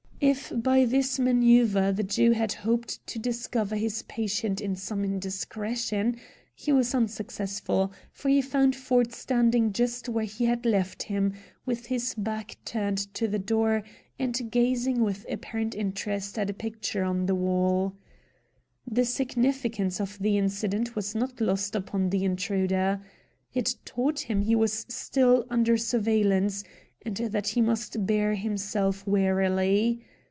If by this maneuver the Jew had hoped to discover his patient in some indiscretion, he was unsuccessful, for he found Ford standing just where he had left him, with his back turned to the door, and gazing with apparent interest at a picture on the wall. The significance of the incident was not lost upon the intruder. It taught him he was still under surveillance, and that he must bear himself warily.